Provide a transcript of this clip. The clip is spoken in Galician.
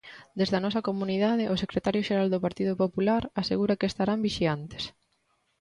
Desde a nosa comunidade, o secretario xeral do Partido Popular asegura que estarán vixiantes.